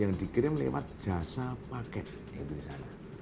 yang dikirim lewat jasa paket yang ada di sana